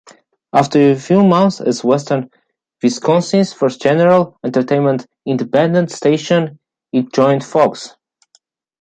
After a few months as Western Wisconsin's first general-entertainment independent station, it joined Fox.